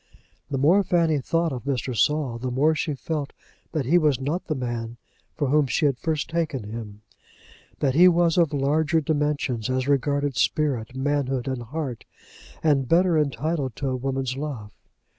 The more Fanny thought of Mr. Saul, the more she felt that he was not the man for which she had first taken him, that he was of larger dimensions as regarded spirit, manhood, and heart, and better entitled to a woman's love.